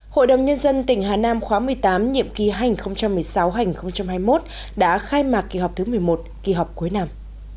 hội đồng nhân dân tỉnh hà nam khóa một mươi tám nhiệm kỳ hai nghìn một mươi sáu hai nghìn hai mươi một đã khai mạc kỳ họp thứ một mươi một kỳ họp cuối năm